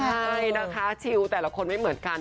ใช่นะคะชิลแต่ละคนไม่เหมือนกัน